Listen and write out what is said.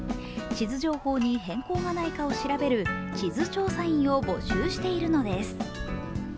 地図情報に変更がないかを調べる地図調査員を募集しているのです。